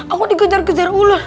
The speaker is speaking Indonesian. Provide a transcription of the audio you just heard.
aku dikejar kejar ular